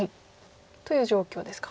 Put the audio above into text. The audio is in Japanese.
という状況ですか。